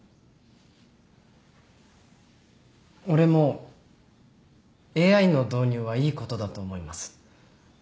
俺もＡＩの導入はいいことだと思います。